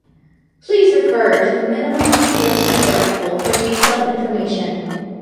Please refer to the minimum control speed article for detailed information.